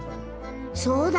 そうだ！